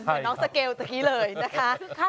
เหมือนน้องสเกลตัวนี้เลยนะคะ